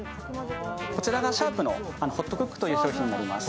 こちらがシャープのホットクックという商品になります。